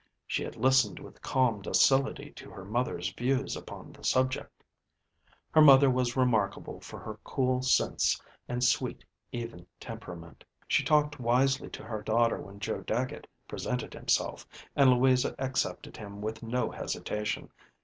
She had listened with calm docility to her mother's views upon the subject. Her mother was remarkable for her cool sense and sweet, even temperament. She talked wisely to her daughter when Joe Dagget presented himself, and Louisa accepted him with no hesitation.